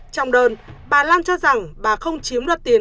trong đơn bà lan cho rằng bà không chiếm đoạt tiền